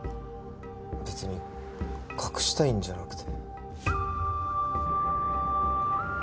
別に隠したいんじゃなくて。